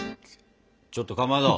ちょっとかまど！